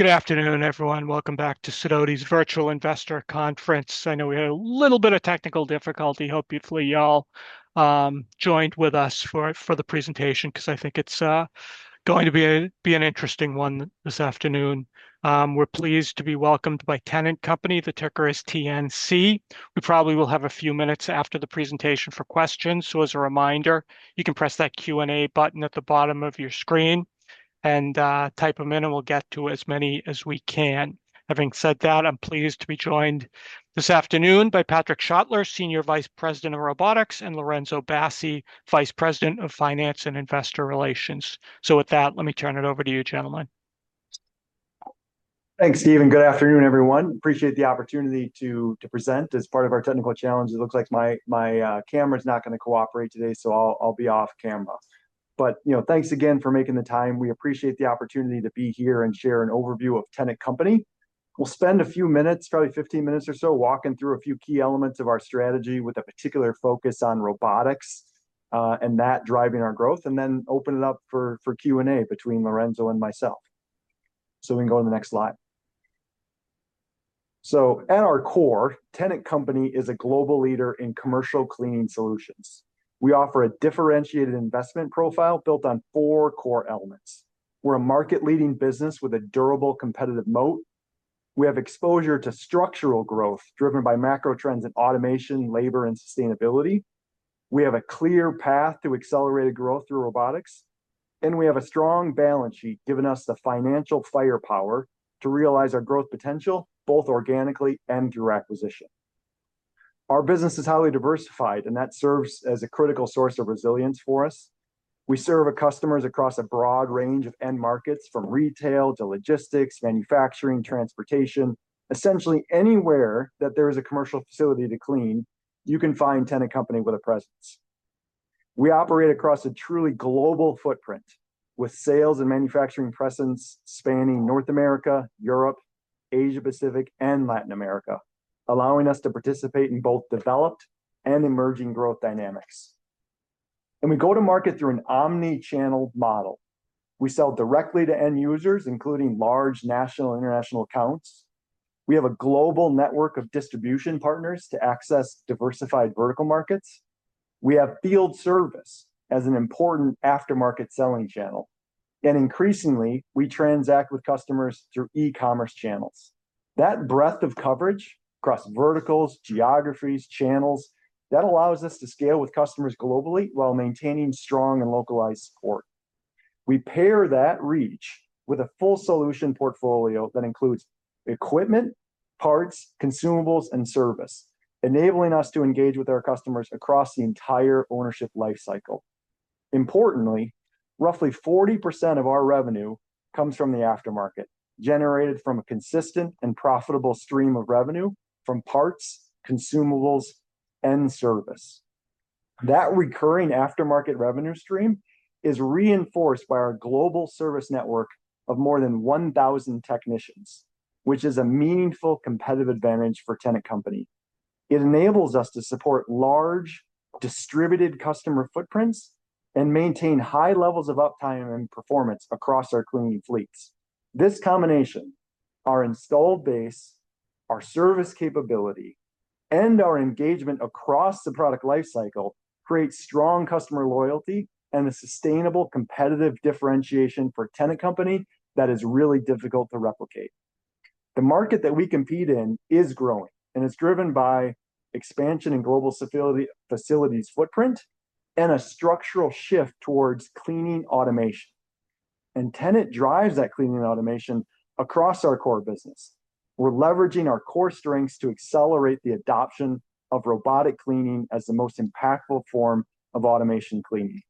Good afternoon, everyone. Welcome back to Sidoti's Virtual Investor Conference. I know we had a little bit of technical difficulty. Hopefully, you all joined with us for the presentation because I think it's going to be an interesting one this afternoon. We're pleased to be welcomed by Tennant Company, the ticker is TNC. We probably will have a few minutes after the presentation for questions. As a reminder, you can press that Q&A button at the bottom of your screen and type them in, and we'll get to as many as we can. Having said that, I'm pleased to be joined this afternoon by Patrick Schottler, Senior Vice President, Robotics, and Lorenzo Bassi, Vice President, Finance and Investor Relations. With that, let me turn it over to you, gentlemen. Thanks, Steve, and good afternoon, everyone. Appreciate the opportunity to present. As part of our technical challenge, it looks like my camera's not going to cooperate today, so I'll be off-camera. But thanks again for making the time. We appreciate the opportunity to be here and share an overview of Tennant Company. We'll spend a few minutes, probably 15 minutes or so, walking through a few key elements of our strategy with a particular focus on robotics, and that driving our growth, and then open it up for Q&A between Lorenzo and myself. We can go to the next slide. At our core, Tennant Company is a global leader in commercial cleaning solutions. We offer a differentiated investment profile built on four core elements. We're a market-leading business with a durable competitive moat. We have exposure to structural growth driven by macro trends in automation, labor, and sustainability. We have a clear path to accelerated growth through robotics, and we have a strong balance sheet giving us the financial firepower to realize our growth potential, both organically and through acquisition. Our business is highly diversified, and that serves as a critical source of resilience for us. We serve our customers across a broad range of end markets, from retail to logistics, manufacturing, transportation. Essentially anywhere that there is a commercial facility to clean, you can find Tennant Company with a presence. We operate across a truly global footprint with sales and manufacturing presence spanning North America, Europe, Asia-Pacific, and Latin America, allowing us to participate in both developed and emerging growth dynamics. We go to market through an omni-channel model. We sell directly to end users, including large national and international accounts. We have a global network of distribution partners to access diversified vertical markets. We have field service as an important aftermarket selling channel. Increasingly, we transact with customers through e-commerce channels. That breadth of coverage across verticals, geographies, channels, that allows us to scale with customers globally while maintaining strong and localized support. We pair that reach with a full solution portfolio that includes equipment, parts, consumables, and service, enabling us to engage with our customers across the entire ownership life cycle. Importantly, roughly 40% of our revenue comes from the aftermarket, generated from a consistent and profitable stream of revenue from parts, consumables, and service. That recurring aftermarket revenue stream is reinforced by our global service network of more than 1,000 technicians, which is a meaningful competitive advantage for Tennant Company. It enables us to support large distributed customer footprints and maintain high levels of uptime and performance across our cleaning fleets. This combination, our installed base, our service capability, and our engagement across the product life cycle, creates strong customer loyalty and a sustainable competitive differentiation for Tennant Company that is really difficult to replicate. The market that we compete in is growing, and it's driven by expansion in global facilities footprint, and a structural shift towards cleaning automation. Tennant drives that cleaning automation across our core business. We're leveraging our core strengths to accelerate the adoption of robotic cleaning as the most impactful form of automation cleaning.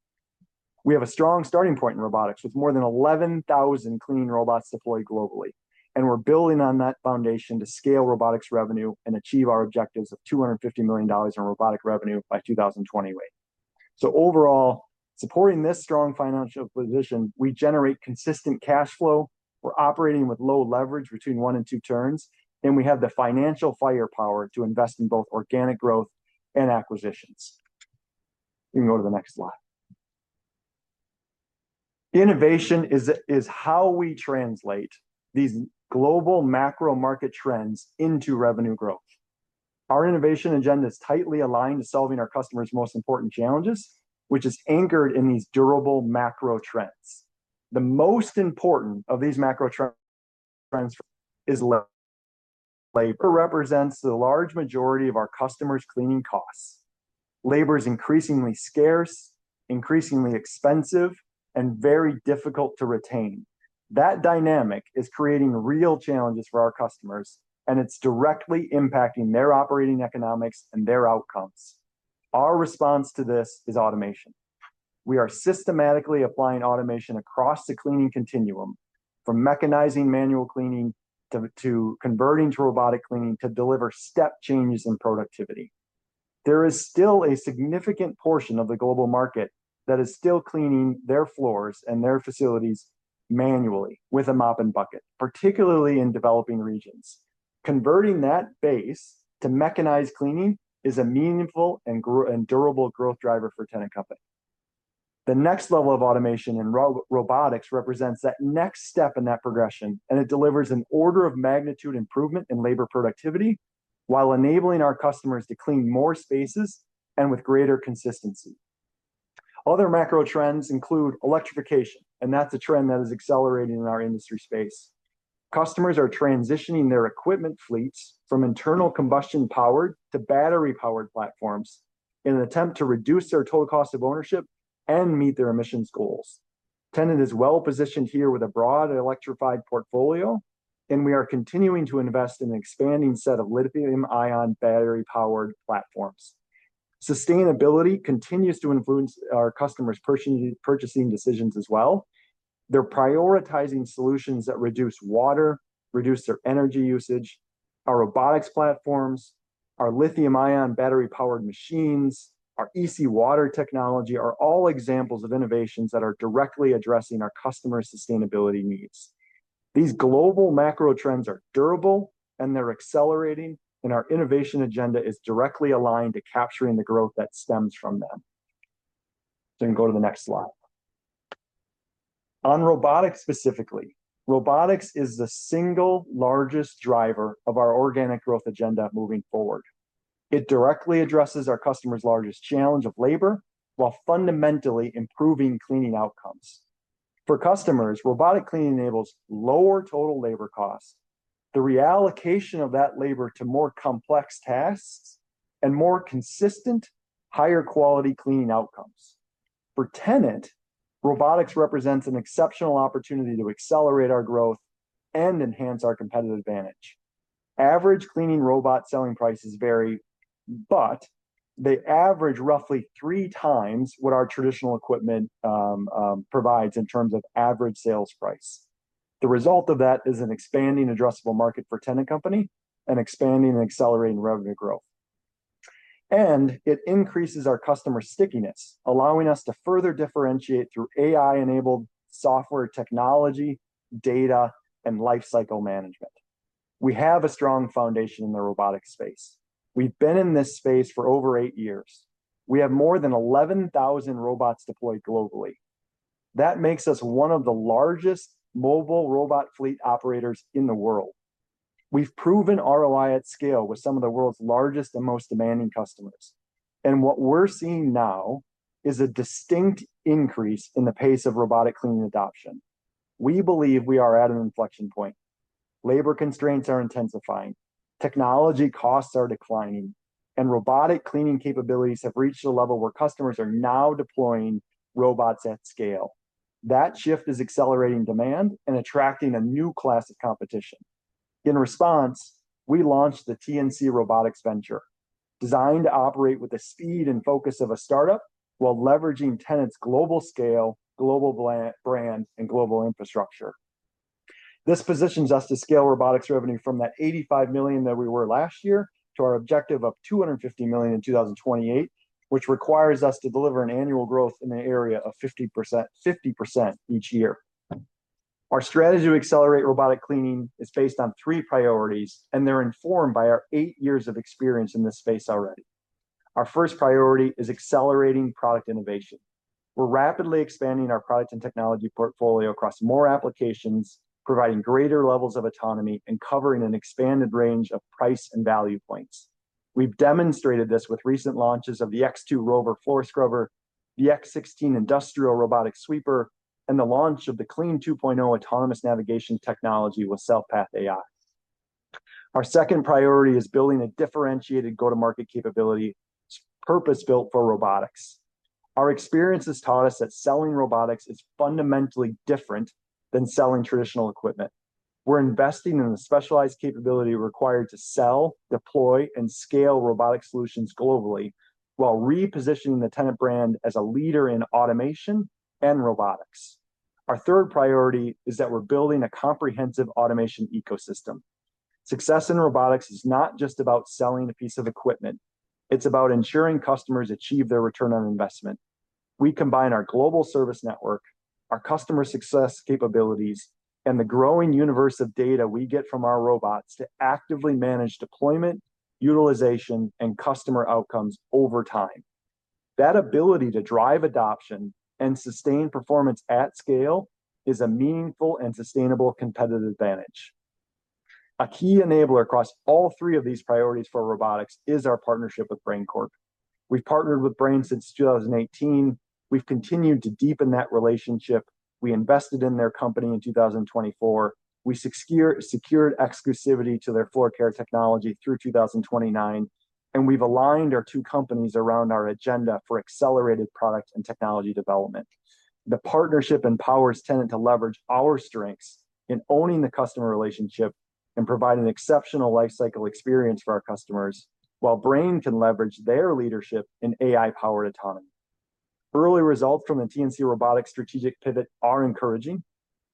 We have a strong starting point in robotics with more than 11,000 cleaning robots deployed globally, and we're building on that foundation to scale robotics revenue and achieve our objectives of $250 million in robotic revenue by 2028. Overall, supporting this strong financial position, we generate consistent cash flow. We're operating with low leverage between one and two turns, and we have the financial firepower to invest in both organic growth and acquisitions. You can go to the next slide. Innovation is how we translate these global macro market trends into revenue growth. Our innovation agenda is tightly aligned to solving our customers' most important challenges, which is anchored in these durable macro trends. The most important of these macro trends is labor. Labor represents the large majority of our customers' cleaning costs. Labor is increasingly scarce, increasingly expensive, and very difficult to retain. That dynamic is creating real challenges for our customers, and it's directly impacting their operating economics and their outcomes. Our response to this is automation. We are systematically applying automation across the cleaning continuum, from mechanizing manual cleaning to converting to robotic cleaning to deliver step changes in productivity. There is still a significant portion of the global market that is still cleaning their floors and their facilities manually with a mop and bucket, particularly in developing regions. Converting that base to mechanized cleaning is a meaningful and durable growth driver for Tennant Company. The next level of automation in robotics represents that next step in that progression, and it delivers an order of magnitude improvement in labor productivity while enabling our customers to clean more spaces and with greater consistency. Other macro trends include electrification, and that's a trend that is accelerating in our industry space. Customers are transitioning their equipment fleets from internal combustion-powered to battery-powered platforms in an attempt to reduce their total cost of ownership and meet their emissions goals. Tennant is well-positioned here with a broad electrified portfolio, and we are continuing to invest in an expanding set of lithium-ion battery-powered platforms. Sustainability continues to influence our customers' purchasing decisions as well. They're prioritizing solutions that reduce water, reduce their energy usage. Our robotics platforms, our lithium-ion battery-powered machines, our ec-H2O Technology are all examples of innovations that are directly addressing our customers' sustainability needs. These global macro trends are durable and they're accelerating, and our innovation agenda is directly aligned to capturing the growth that stems from them. You can go to the next slide. Robotics specifically, robotics is the single largest driver of our organic growth agenda moving forward. It directly addresses our customers' largest challenge of labor while fundamentally improving cleaning outcomes. For customers, robotic cleaning enables lower total labor cost, the reallocation of that labor to more complex tasks, and more consistent, higher quality cleaning outcomes. For Tennant, robotics represents an exceptional opportunity to accelerate our growth and enhance our competitive advantage. Average cleaning robot selling prices vary, but they average roughly 3x what our traditional equipment provides in terms of average sales price. The result of that is an expanding addressable market for Tennant Company and expanding and accelerating revenue growth. It increases our customer stickiness, allowing us to further differentiate through AI-enabled software technology, data, and life cycle management. We have a strong foundation in the robotic space. We've been in this space for over eight years. We have more than 11,000 robots deployed globally. That makes us one of the largest mobile robot fleet operators in the world. We've proven ROI at scale with some of the world's largest and most demanding customers. What we're seeing now is a distinct increase in the pace of robotic cleaning adoption. We believe we are at an inflection point. Labor constraints are intensifying, technology costs are declining, robotic cleaning capabilities have reached a level where customers are now deploying robots at scale. That shift is accelerating demand and attracting a new class of competition. In response, we launched the TNC Robotics venture, designed to operate with the speed and focus of a startup while leveraging Tennant's global scale, global brand, and global infrastructure. This positions us to scale robotics revenue from that $85 million that we were last year to our objective of $250 million in 2028, which requires us to deliver an annual growth in the area of 50% each year. Our strategy to accelerate robotic cleaning is based on three priorities, they're informed by our eight years of experience in this space already. Our first priority is accelerating product innovation. We're rapidly expanding our product and technology portfolio across more applications, providing greater levels of autonomy and covering an expanded range of price and value points. We've demonstrated this with recent launches of the X2 ROVR SCRUB, the X16 Industrial Robotic Sweeper, and the launch of the Clean 2.0 autonomous navigation technology with SelfPath AI. Our second priority is building a differentiated go-to-market capability purpose-built for robotics. Our experience has taught us that selling robotics is fundamentally different than selling traditional equipment. We're investing in the specialized capability required to sell, deploy, and scale robotic solutions globally while repositioning the Tennant brand as a leader in automation and robotics. Our third priority is that we're building a comprehensive automation ecosystem. Success in robotics is not just about selling a piece of equipment. It's about ensuring customers achieve their Return on investment. We combine our global service network, our customer success capabilities, and the growing universe of data we get from our robots to actively manage deployment, utilization, and customer outcomes over time. That ability to drive adoption and sustain performance at scale is a meaningful and sustainable competitive advantage. A key enabler across all three of these priorities for robotics is our partnership with Brain Corp. We've partnered with Brain since 2018. We've continued to deepen that relationship. We invested in their company in 2024. We secured exclusivity to their floor care technology through 2029, we've aligned our two companies around our agenda for accelerated product and technology development. The partnership empowers Tennant to leverage our strengths in owning the customer relationship and provide an exceptional life cycle experience for our customers, while Brain can leverage their leadership in AI-powered autonomy. Early results from the TNC Robotics strategic pivot are encouraging.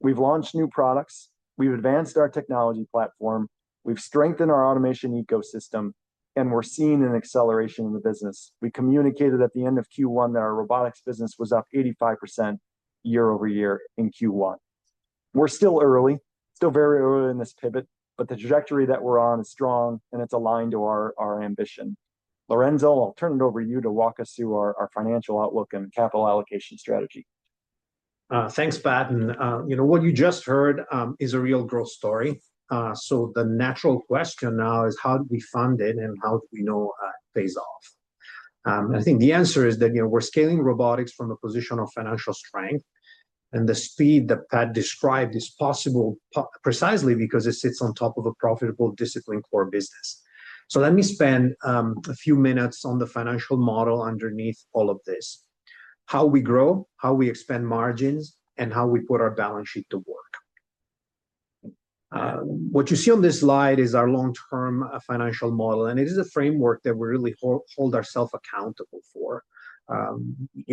We've launched new products. We've advanced our technology platform. We've strengthened our automation ecosystem, and we're seeing an acceleration in the business. We communicated at the end of Q1 that our robotics business was up 85% year-over-year in Q1. We're still early, still very early in this pivot, but the trajectory that we're on is strong, and it is aligned to our ambition. Lorenzo, I'll turn it over to you to walk us through our financial outlook and capital allocation strategy. Thanks, Pat. What you just heard is a real growth story. The natural question now is how do we fund it and how do we know it pays off? I think the answer is that we're scaling robotics from a position of financial strength, and the speed that Pat described is possible precisely because it sits on top of a profitable, disciplined core business. Let me spend a few minutes on the financial model underneath all of this, how we grow, how we expand margins, and how we put our balance sheet to work. What you see on this slide is our long-term financial model, and it is a framework that we really hold ourselves accountable for.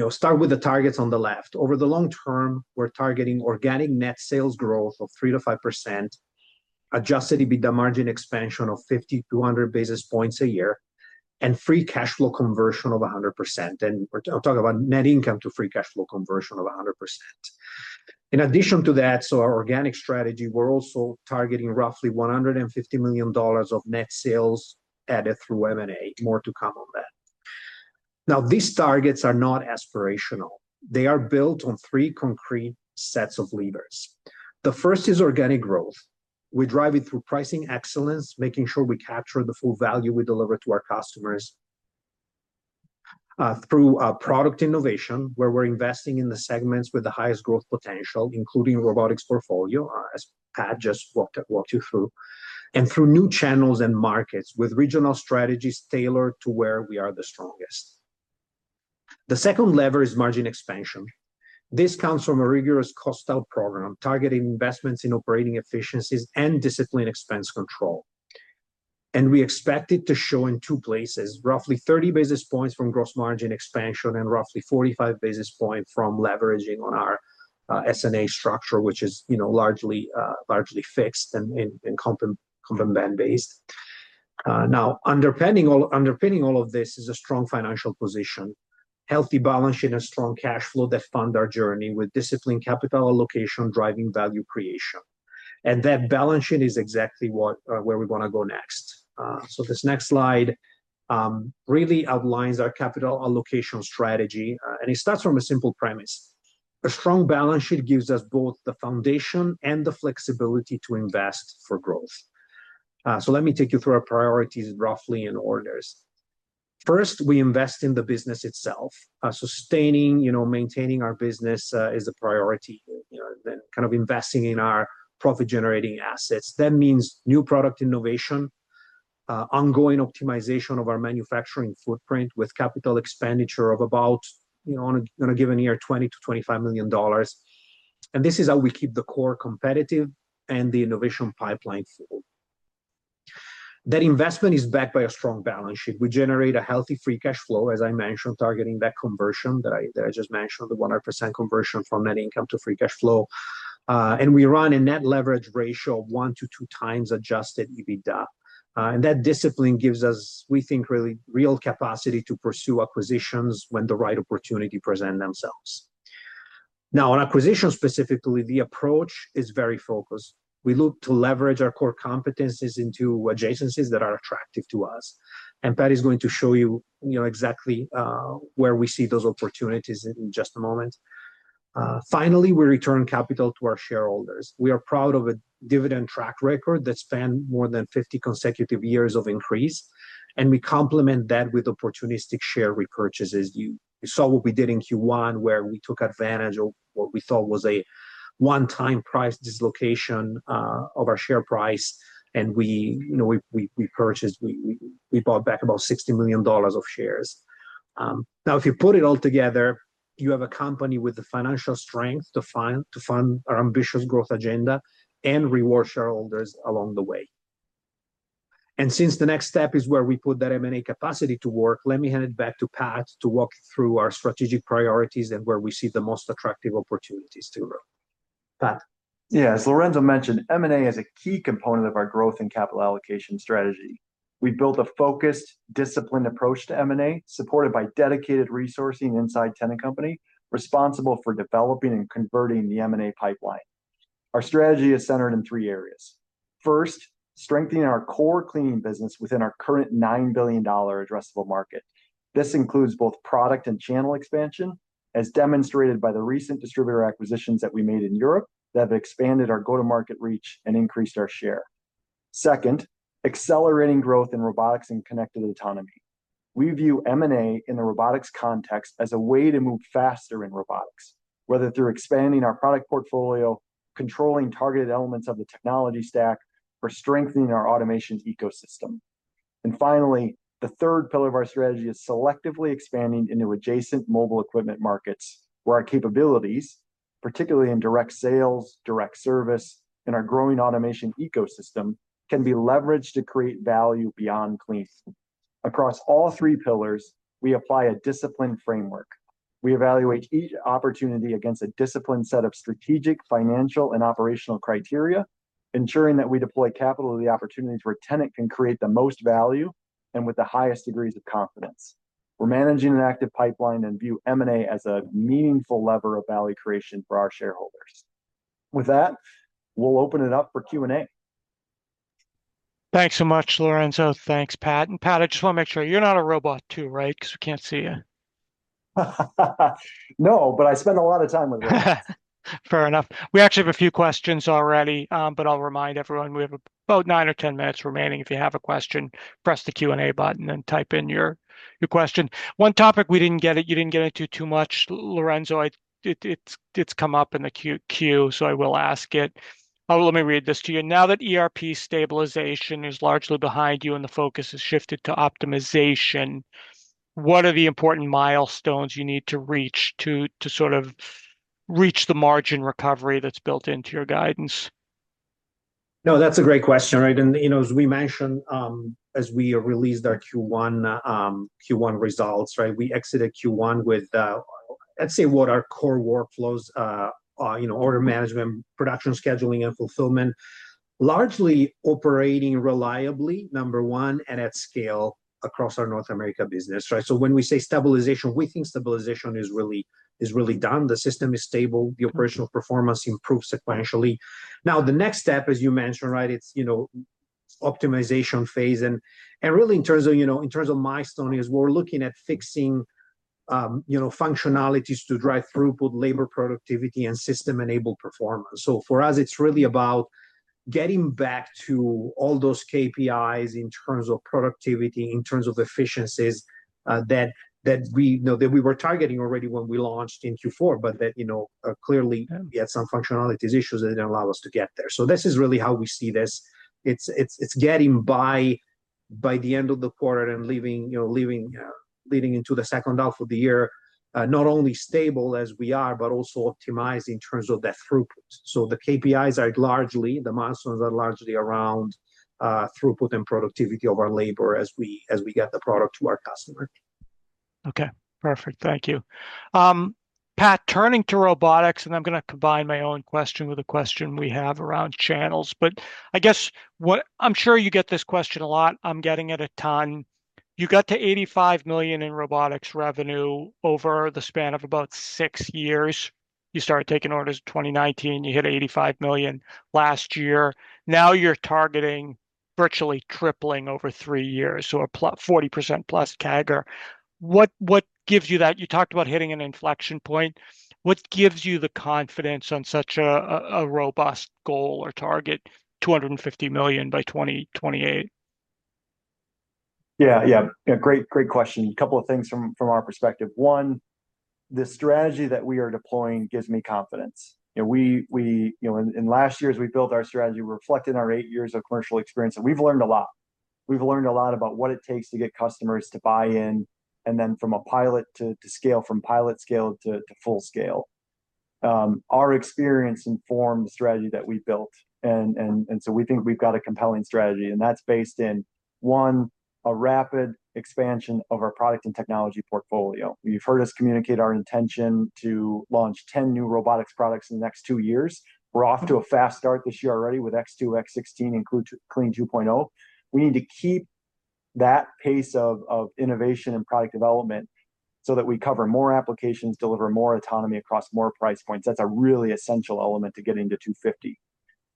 Start with the targets on the left. Over the long term, we're targeting organic net sales growth of 3%-5%, adjusted EBITDA margin expansion of 50 basis points-100 basis points a year, and free cash flow conversion of 100%. I'm talking about net income to free cash flow conversion of 100%. In addition to that, our organic strategy, we're also targeting roughly $150 million of net sales added through M&A. More to come on that. These targets are not aspirational. They are built on three concrete sets of levers. The first is organic growth. We drive it through pricing excellence, making sure we capture the full value we deliver to our customers, through product innovation, where we're investing in the segments with the highest growth potential, including robotics portfolio, as Pat just walked you through, and through new channels and markets with regional strategies tailored to where we are the strongest. The second lever is margin expansion. This comes from a rigorous cost-out program targeting investments in operating efficiencies and disciplined expense control. We expect it to show in two places, roughly 30 basis points from gross margin expansion and roughly 45 basis points from leveraging on our S&A structure, which is largely fixed and headcount-based. Underpinning all of this is a strong financial position, healthy balance sheet, and strong cash flow that fund our journey with disciplined capital allocation driving value creation. That balance sheet is exactly where we want to go next. This next slide really outlines our capital allocation strategy, and it starts from a simple premise. A strong balance sheet gives us both the foundation and the flexibility to invest for growth. Let me take you through our priorities roughly in orders. First, we invest in the business itself. Sustaining, maintaining our business is a priority, then kind of investing in our profit-generating assets. That means new product innovation, ongoing optimization of our manufacturing footprint with capital expenditure of about, on a given year, $20 million-$25 million. This is how we keep the core competitive and the innovation pipeline full. That investment is backed by a strong balance sheet. We generate a healthy free cash flow, as I mentioned, targeting that conversion that I just mentioned, the 100% conversion from net income to free cash flow. We run a net leverage ratio of 1x-2x adjusted EBITDA. That discipline gives us, we think, real capacity to pursue acquisitions when the right opportunity present themselves. Now, on acquisitions specifically, the approach is very focused. We look to leverage our core competencies into adjacencies that are attractive to us, Pat is going to show you exactly where we see those opportunities in just a moment. Finally, we return capital to our shareholders. We are proud of a dividend track record that span more than 50 consecutive years of increase, and we complement that with opportunistic share repurchases. You saw what we did in Q1, where we took advantage of what we thought was a one-time price dislocation of our share price, and we purchased, we bought back about $60 million of shares. Now, if you put it all together, you have a company with the financial strength to fund our ambitious growth agenda and reward shareholders along the way. Since the next step is where we put that M&A capacity to work, let me hand it back to Pat to walk through our strategic priorities and where we see the most attractive opportunities to grow. Pat? Yeah, as Lorenzo mentioned, M&A is a key component of our growth and capital allocation strategy. We built a focused, disciplined approach to M&A, supported by dedicated resourcing inside Tennant Company, responsible for developing and converting the M&A pipeline. Our strategy is centered in three areas. First, strengthening our core cleaning business within our current $9 billion addressable market. This includes both product and channel expansion, as demonstrated by the recent distributor acquisitions that we made in Europe that have expanded our go-to-market reach and increased our share. Second, accelerating growth in robotics and connected autonomy. We view M&A in the robotics context as a way to move faster in robotics, whether through expanding our product portfolio, controlling targeted elements of the technology stack, or strengthening our automation ecosystem. Finally, the third pillar of our strategy is selectively expanding into adjacent mobile equipment markets where our capabilities, particularly in direct sales, direct service, and our growing automation ecosystem, can be leveraged to create value beyond cleaning. Across all three pillars, we apply a disciplined framework. We evaluate each opportunity against a disciplined set of strategic, financial, and operational criteria. Ensuring that we deploy capital to the opportunities where Tennant can create the most value and with the highest degrees of confidence. We're managing an active pipeline and view M&A as a meaningful lever of value creation for our shareholders. With that, we'll open it up for Q&A. Thanks so much, Lorenzo. Thanks, Pat. Pat, I just want to make sure you're not a robot too, right? Because we can't see you. No, but I spend a lot of time with robots. Fair enough. We actually have a few questions already, but I'll remind everyone we have about nine or 10 minutes remaining. If you have a question, press the Q&A button and type in your question. One topic you didn't get into too much, Lorenzo, it's come up in the queue, so I will ask it. Let me read this to you. Now that ERP stabilization is largely behind you and the focus has shifted to optimization, what are the important milestones you need to reach to sort of reach the margin recovery that's built into your guidance? No, that's a great question. As we mentioned, as we released our Q1 results. We exited Q1 with, let's say, what our core workflows are, order management, production scheduling, and fulfillment, largely operating reliably, number one, and at scale across our North America business. When we say stabilization, we think stabilization is really done. The system is stable. The operational performance improves sequentially. The next step, as you mentioned, it's optimization phase, and really in terms of milestones, we're looking at fixing functionalities to drive throughput labor productivity, and system-enabled performance. For us, it's really about getting back to all those KPIs in terms of productivity, in terms of efficiencies that we were targeting already when we launched in Q4, but that clearly we had some functionalities issues that didn't allow us to get there. This is really how we see this. It's getting by the end of the quarter and leading into the second half of the year, not only stable as we are, but also optimized in terms of that throughput. The KPIs are largely, the milestones are largely around throughput and productivity of our labor as we get the product to our customer. Okay, perfect. Thank you. Pat, turning to robotics, I'm going to combine my own question with a question we have around channels, but I guess what I'm sure you get this question a lot, I'm getting it a ton. You got to $85 million in robotics revenue over the span of about six years. You started taking orders 2019. You hit $85 million last year. You're targeting virtually tripling over three years, so a 40%+ CAGR. What gives you that? You talked about hitting an inflection point. What gives you the confidence on such a robust goal or target, $250 million by 2028? Yeah. Great question. A couple of things from our perspective. One, the strategy that we are deploying gives me confidence. Last year, as we built our strategy, we reflected on our eight years of commercial experience, we've learned a lot. We've learned a lot about what it takes to get customers to buy in, and then from a pilot to scale, from pilot scale to full scale. Our experience informed the strategy that we built. We think we've got a compelling strategy, and that's based in, one, a rapid expansion of our product and technology portfolio. You've heard us communicate our intention to launch 10 new robotics products in the next two years. We're off to a fast start this year already with X2, X16, and Clean 2.0. We need to keep that pace of innovation and product development so that we cover more applications, deliver more autonomy across more price points. That's a really essential element to getting to $250 million.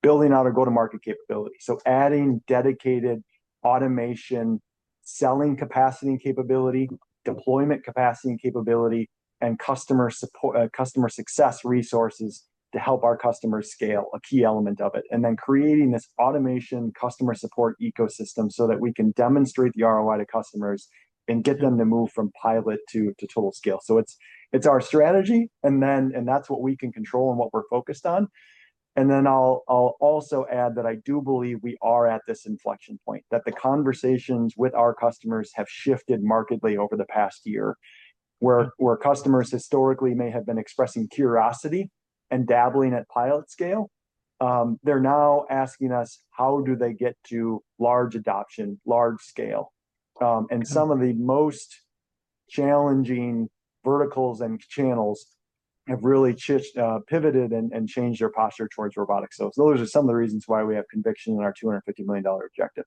Building out a go-to-market capability. Adding dedicated automation, selling capacity and capability, deployment capacity and capability, and customer success resources to help our customers scale, a key element of it. Creating this automation customer support ecosystem so that we can demonstrate the ROI to customers and get them to move from pilot to total scale. It's our strategy, and that's what we can control and what we're focused on. I'll also add that I do believe we are at this inflection point, that the conversations with our customers have shifted markedly over the past year, where customers historically may have been expressing curiosity and dabbling at pilot scale. They're now asking us how do they get to large adoption, large scale. Some of the most challenging verticals and channels have really pivoted and changed their posture towards robotics. Those are some of the reasons why we have conviction in our $250 million objective.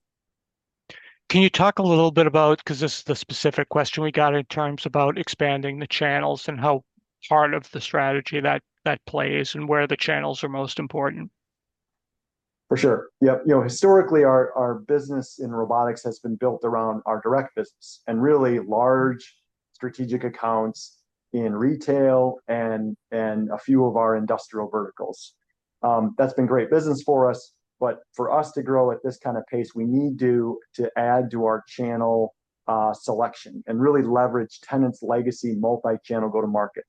Can you talk a little bit about, because this is the specific question we got in terms about expanding the channels and how part of the strategy that plays and where the channels are most important. For sure. Historically, our business in robotics has been built around our direct business and really large strategic accounts in retail and a few of our industrial verticals. That's been great business for us, but for us to grow at this kind of pace, we need to add to our channel selection and really leverage Tennant's legacy multi-channel go-to-market.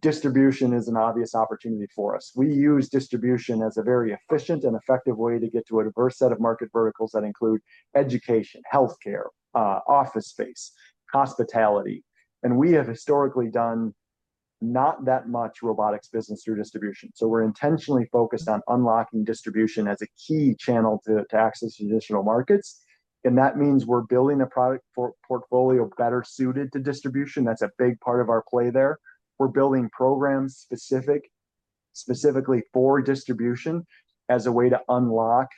Distribution is an obvious opportunity for us. We use distribution as a very efficient and effective way to get to a diverse set of market verticals that include education, healthcare, office space, hospitality, and we have historically done not that much robotics business through distribution. We're intentionally focused on unlocking distribution as a key channel to access additional markets, and that means we're building a product portfolio better suited to distribution. That's a big part of our play there. We're building programs specifically for distribution as a way to unlock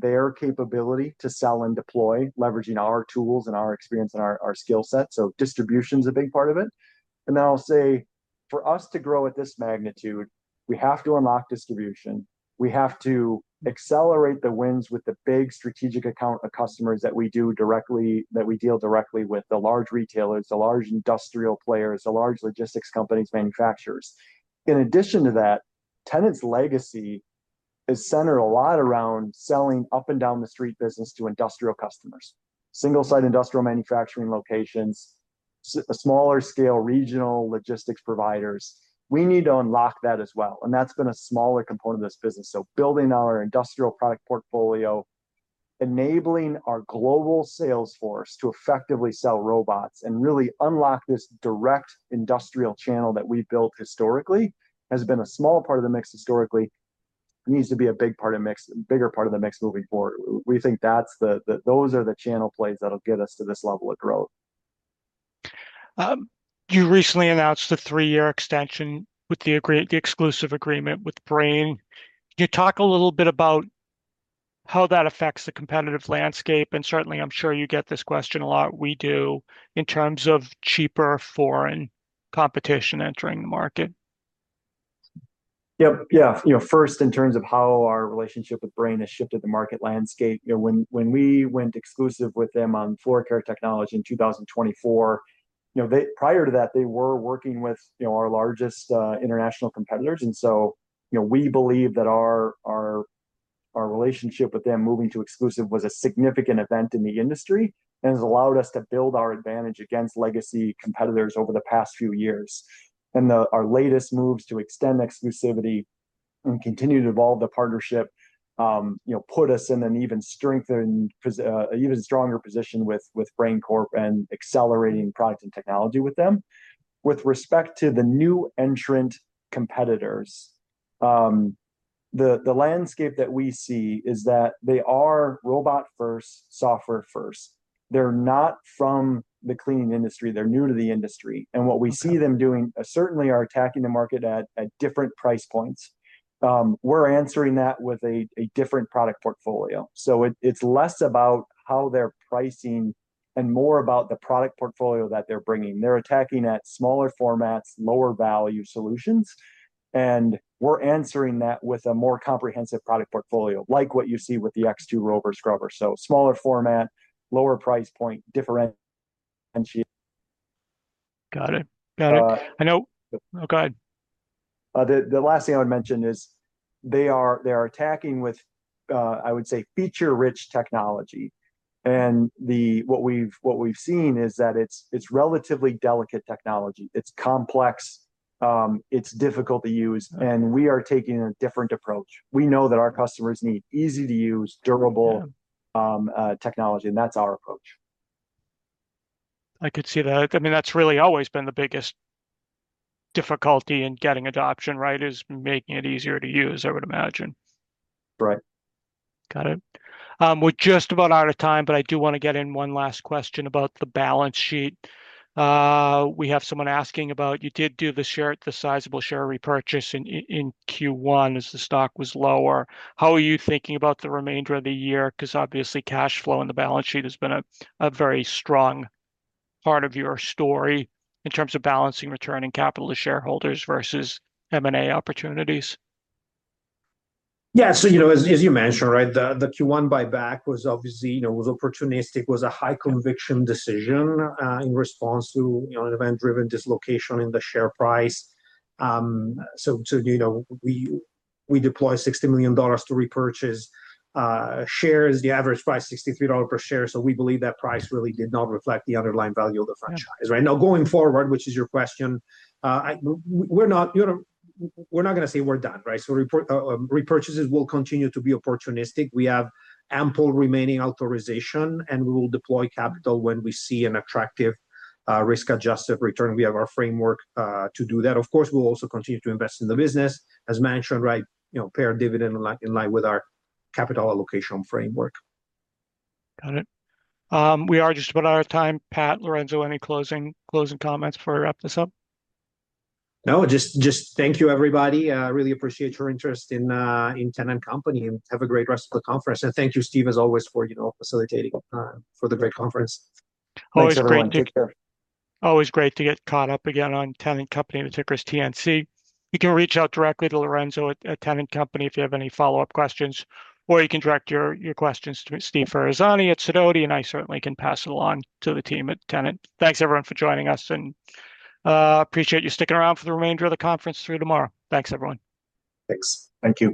their capability to sell and deploy, leveraging our tools and our experience and our skill set. Distribution's a big part of it. I'll say, for us to grow at this magnitude, we have to unlock distribution. We have to accelerate the wins with the big strategic account of customers that we deal directly with, the large retailers, the large industrial players, the large logistics companies, manufacturers. In addition to that, Tennant's legacy is centered a lot around selling up and down the street business to industrial customers. Single site industrial manufacturing locations, smaller scale regional logistics providers. We need to unlock that as well, and that's been a smaller component of this business. Building our industrial product portfolio, enabling our global sales force to effectively sell robots and really unlock this direct industrial channel that we've built historically, has been a small part of the mix historically. It needs to be a bigger part of the mix moving forward. We think those are the channel plays that'll get us to this level of growth. You recently announced a three-year extension with the exclusive agreement with Brain. Can you talk a little bit about how that affects the competitive landscape? Certainly, I'm sure you get this question a lot, we do, in terms of cheaper foreign competition entering the market. Yep. Yeah. First, in terms of how our relationship with Brain has shifted the market landscape, when we went exclusive with them on floor care technology in 2024, prior to that they were working with our largest international competitors. We believe that our relationship with them moving to exclusive was a significant event in the industry and has allowed us to build our advantage against legacy competitors over the past few years. Our latest moves to extend exclusivity and continue to evolve the partnership put us in an even stronger position with Brain Corp and accelerating product and technology with them. With respect to the new entrant competitors, the landscape that we see is that they are robot first, software first. They're not from the cleaning industry. They're new to the industry. What we see them doing, certainly are attacking the market at different price points. We're answering that with a different product portfolio. It's less about how they're pricing and more about the product portfolio that they're bringing. They're attacking at smaller formats, lower value solutions, we're answering that with a more comprehensive product portfolio like what you see with the X2 ROVR SCRUB. Smaller format, lower price point. Got it. Go ahead. The last thing I would mention is they are attacking with, I would say, feature-rich technology. What we've seen is that it's relatively delicate technology. It's complex, it's difficult to use, we are taking a different approach. We know that our customers need easy to use, durable technology, that's our approach. I could see that. That's really always been the biggest difficulty in getting adoption, right? Is making it easier to use, I would imagine. Right. Got it. We're just about out of time. I do want to get in one last question about the balance sheet. We have someone asking about, you did do the sizable share repurchase in Q1 as the stock was lower. How are you thinking about the remainder of the year? Because obviously cash flow in the balance sheet has been a very strong part of your story in terms of balancing returning capital to shareholders versus M&A opportunities. Yeah. As you mentioned, right, the Q1 buyback was obviously, was opportunistic, was a high conviction decision, in response to an event-driven dislocation in the share price. We deployed $60 million to repurchase shares, the average price $63 per share. We believe that price really did not reflect the underlying value of the franchise. Right now, going forward, which is your question, we're not going to say we're done, right? Repurchases will continue to be opportunistic. We have ample remaining authorization. We will deploy capital when we see an attractive risk-adjusted return. We have our framework to do that. Of course, we'll also continue to invest in the business as mentioned, right, pay our dividend in line with our capital allocation framework. Got it. We are just about out of time. Pat, Lorenzo, any closing comments before I wrap this up? No, just thank you everybody. I really appreciate your interest in Tennant Company. Have a great rest of the conference. Thank you, Steve, as always, for facilitating for the great conference. Always great to. Thanks, everyone. Take care Always great to get caught up again on Tennant Company, the ticker's TNC. You can reach out directly to Lorenzo at Tennant Company if you have any follow-up questions, or you can direct your questions to Steve Ferazani at Sidoti. I certainly can pass it along to the team at Tennant. Thanks, everyone, for joining us, and appreciate you sticking around for the remainder of the conference through tomorrow. Thanks, everyone. Thanks. Thank you